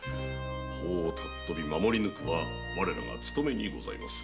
法を尊び守り抜くは我らが勤めにございます。